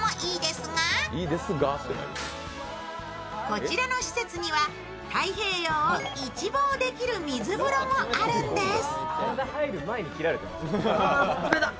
こちらの施設には太平洋を一望できる水風呂もあるんです。